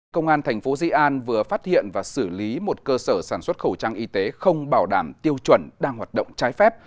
công an thành phố di an vừa phát hiện và xử lý một cơ sở sản xuất khẩu trang y tế không bảo đảm tiêu chuẩn đang hoạt động trái phép